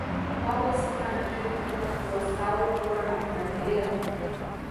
Wapo Simba na Twiga bila kuwasau kuro na Pundamilia